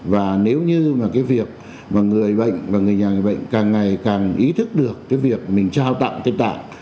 và nếu như mà cái việc mà người bệnh và người nhà người bệnh càng ngày càng ý thức được cái việc mình trao tặng tiền tạng